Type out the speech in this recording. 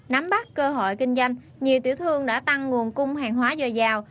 nắm bắt cơ hội kinh doanh nhiều tiểu thương đã tăng nguồn cung hàng hóa do giàu